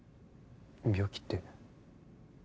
病気って？